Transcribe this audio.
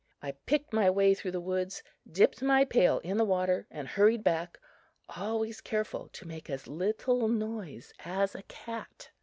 I picked my way through the woods, dipped my pail in the water and hurried back, always careful to make as little noise as a cat.